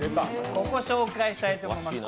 ここ紹介したいと思います。